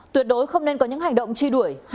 tuyệt đối không nên có những hành động truy đuổi